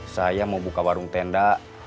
saya mau buka warung tenda